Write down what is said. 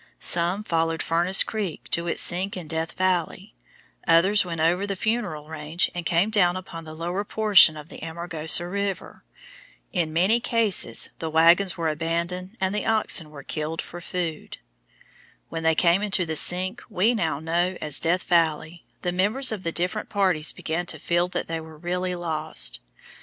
Some followed Furnace Creek to its sink in Death Valley; others went over the Funeral range and came down upon the lower portion of the Amargosa River. In many cases the wagons were abandoned and the oxen were killed for food. When they came into the sink we now know as Death Valley, the members of the different parties began to feel that they were really lost.